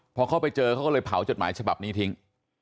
พอเขาไปเจอเขาก็เลยเผาจดหมายฉบับนี้ทิ้ง